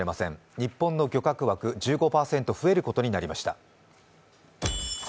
日本の漁獲枠、１５％増えることになりました。